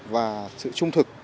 và sự trung thực